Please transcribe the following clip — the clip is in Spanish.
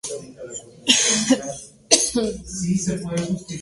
Actualmente reside en Oak Park, Illinois.